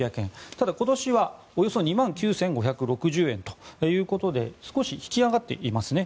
ただ、今年はおよそ２万９５６０円ということで少し引き上がっていますね。